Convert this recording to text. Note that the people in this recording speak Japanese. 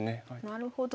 なるほど。